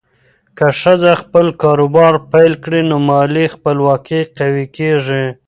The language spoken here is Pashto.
که ښځه خپل کاروبار پیل کړي، نو مالي خپلواکي قوي کېږي.